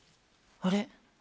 あれ？